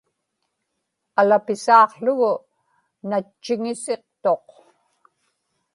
alapisaaqługu natchiŋisiqtuq